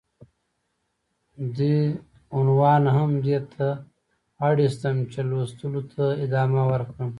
دې عنوان هم دې ته اړيستم چې ،چې لوستلو ته ادامه ورکړم.